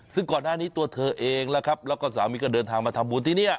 ซึ่งก่อนหน้านี้ตัวเธอเองนะครับแล้วก็สามีก็เดินทางมาทำบุญที่นี่